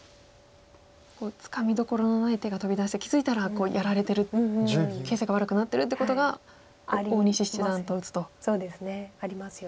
つかみどころのない手が飛び出して気付いたらやられてる形勢が悪くなってるっていうことが大西七段と打つとありますか。